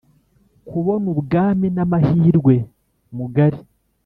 kubona ubwami n'amahirwe mugari?